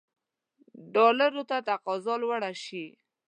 ډالرو ته تقاضا لوړه شي.